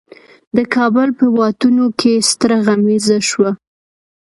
د کابل په واټونو کې ستره غمیزه شوه.